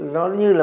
nó như là